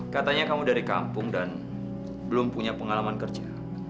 katanya kamu dari kampung dan belum punya pengalaman kerja